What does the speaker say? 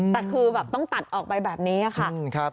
แต่คือแบบต้องตัดออกไปแบบนี้ค่ะ